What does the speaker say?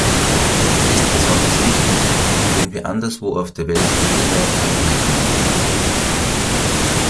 Das ist besonders wichtig, wenn wir anderswo auf der Welt Regelwerke anerkennen.